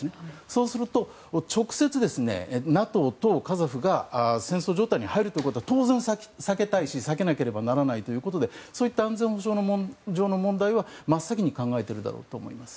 そうすると、直接ＮＡＴＯとカザフが戦争状態に入るということは当然避けたいし避けなければならないということでそういった安全保障上の問題は真っ先に考えているだろうと思います。